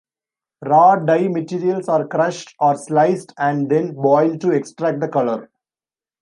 Raw dye materials are crushed or sliced and then boiled to extract the colour.